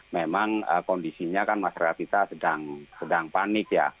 memang kondisinya kan masyarakat kita sedang panik ya